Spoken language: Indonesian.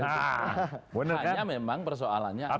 hanya memang persoalannya adalah